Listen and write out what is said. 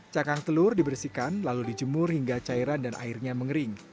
cakang telur dibersihkan lalu dijemur hingga cairan dan airnya mengering